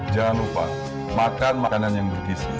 jangan lupa makan makanan yang bergisi